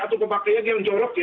atau pemakaian yang jorok ya